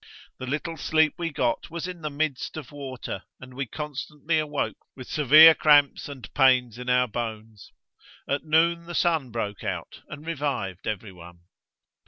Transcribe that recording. The little sleep we got was in the midst of water, and we constantly awoke with severe cramps and pains in our bones. At noon the sun broke out and revived every one.